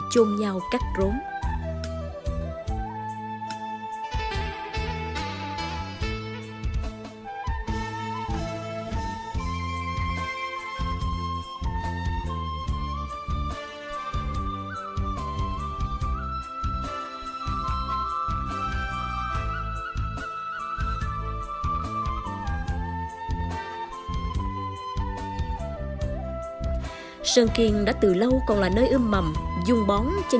chôn nhau cắt rốn